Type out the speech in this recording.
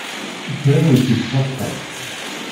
Kra ur k-itt-xasa.